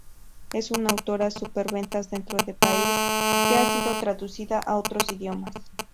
Es una autora super-ventas dentro de país, que ha sido traducida a otros idiomas.